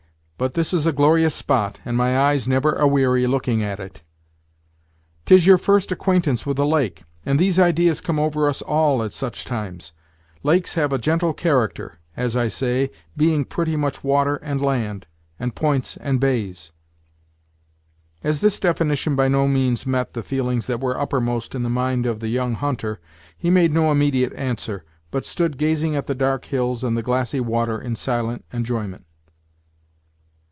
But this is a glorious spot, and my eyes never a weary looking at it!" "'Tis your first acquaintance with a lake; and these ideas come over us all at such times. Lakes have a gentle character, as I say, being pretty much water and land, and points and bays." As this definition by no means met the feelings that were uppermost in the mind of the young hunter, he made no immediate answer, but stood gazing at the dark hills and the glassy water in silent enjoyment.